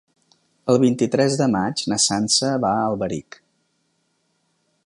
El vint-i-tres de maig na Sança va a Alberic.